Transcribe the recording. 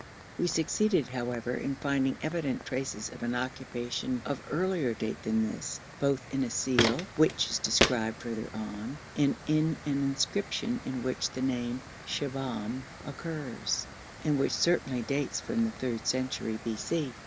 We succeeded, however, in finding evident traces of an occupation of earlier date than this, both in a seal, which is described further on, and in an inscription in which the name Shibahm occurs, and which certainly dates from the third century b.c.